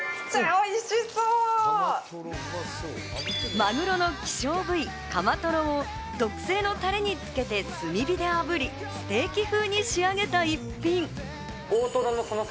マグロの希少部位カマトロを特製のタレに漬けて炭火であぶり、ステーキ風に仕上げた一品。